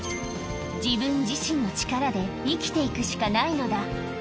自分自身の力で生きていくしかないのだ。